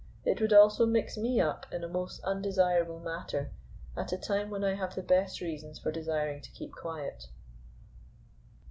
It would also mix me up in a most undesirable matter at a time when I have the best reasons for desiring to keep quiet.